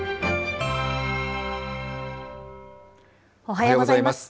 おはようございます。